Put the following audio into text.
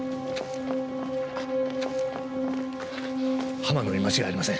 浜野に間違いありません。